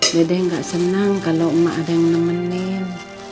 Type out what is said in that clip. dede gak senang kalau emak ada yang nemenin